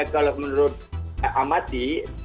kalau menurut amati